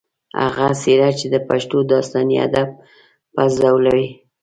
هغه څېره چې د پښتو داستاني ادب پۀ ځولۍ